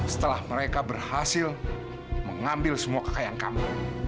setelah mereka berhasil mengambil semua kekayaan kami